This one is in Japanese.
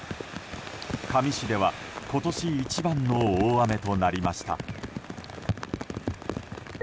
香美市では今年一番の大雨となりました。